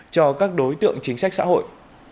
cho các đối tượng chính sách xã hội